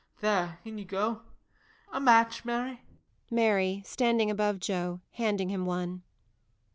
There, in you go! A match, Mary? MARY. [Standing above JOE, _handing him one.